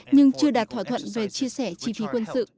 nhưng chưa đạt thỏa thuận về chia sẻ chi phí quốc phòng